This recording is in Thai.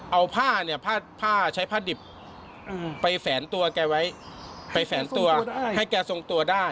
เอาผ้าเนี่ยผ้าใช้ผ้าดิบไปแฝนตัวแกไว้ไปแฝนตัวให้แกทรงตัวได้